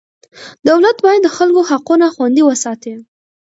دولت باید د خلکو حقونه خوندي وساتي.